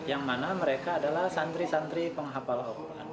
yang mana mereka adalah santri santri penghapal oklan